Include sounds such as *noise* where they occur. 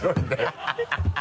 ハハハ *laughs*